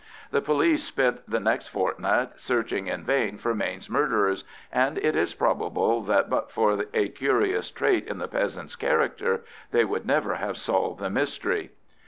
The police spent the next fortnight searching in vain for Mayne's murderers, and it is probable that, but for a curious trait in the peasant's character, they would never have solved the mystery.